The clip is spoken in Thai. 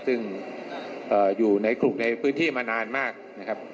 ซึ่งอยู่ในกลุ่มในพื้นที่มานานมากนะครับ